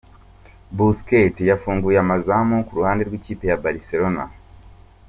Busquets yafunguye amazamu ku ruhande rw’ikipe ya Barcelone.